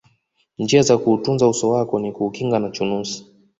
njia za kuutunza uso wako ni kuukinga na chunusi